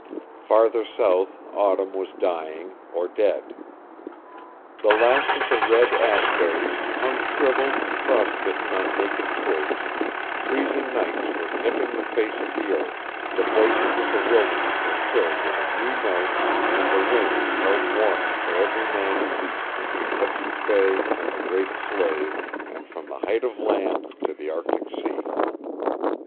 Farther south autumn was dying, or dead. The last of the red ash berries hung shriveled and frost bitten on naked twigs, freezing nights were nipping the face of the earth, the voices of the wilderness were filled with a new note and the winds held warning for every man and beast between Hudson's Bay and the Great Slave and from the Height of Land to the Arctic Sea.